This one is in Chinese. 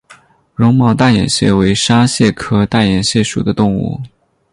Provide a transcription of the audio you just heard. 绒毛大眼蟹为沙蟹科大眼蟹属的动物。